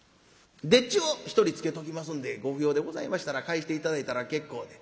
「丁稚を１人つけときますんでご不要でございましたら帰して頂いたら結構で。